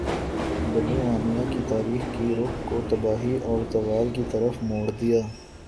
بنو امیہ کی تاریخ کے رخ کو تباہی اور زوال کی طرف موڑ دیا